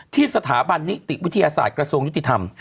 ที่สถาบันนิติวิทยาศาสตร์กระทรวงยุติธรรม